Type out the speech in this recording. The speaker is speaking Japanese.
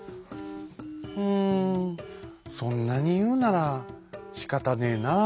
「うんそんなにいうならしかたねえな」。